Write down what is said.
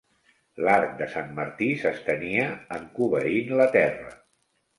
L'arc de Sant Martí s'estenia encobeint la terra.